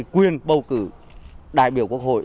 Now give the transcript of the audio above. quyền bầu cử đại biểu quốc hội